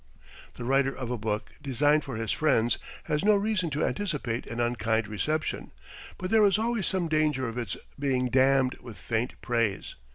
The writer of a book designed for his friends has no reason to anticipate an unkind reception, but there is always some danger of its being damned with faint praise.